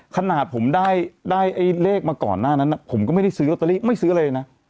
ขนาดผมได้เลขมาก่อนหน้านั้นผมก็ไม่ได้ซื้อลอตเตอรี่ไม่ซื้ออะไรเลยนะ